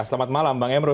selamat malam bang emrus